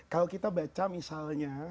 kalau kita baca misalnya